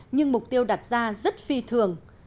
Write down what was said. nhưng mục tiêu đặt ra rất phi thường